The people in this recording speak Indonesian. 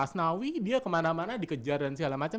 asnawi dia kemana mana dikejar dan segala macam